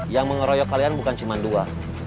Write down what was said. yang mengeroyok kalian bukan cuma dua